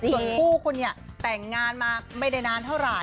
ส่วนคู่คุณเนี่ยแต่งงานมาไม่ได้นานเท่าไหร่